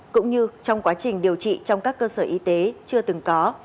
cũng như trong quá trình điều trị trong các cơ sở y tế chưa từng có